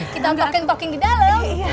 kita talking talking di dalam